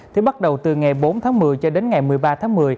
thì bắt đầu từ ngày bốn tháng một mươi cho đến ngày một mươi ba tháng một mươi